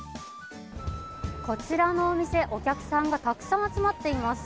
こちらのお店、お客さんがたくさん集まっています。